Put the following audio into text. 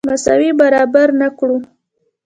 مساوي برابر نه کړو.